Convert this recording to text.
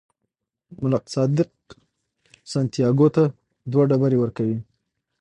ملک صادق سانتیاګو ته دوه ډبرې ورکوي.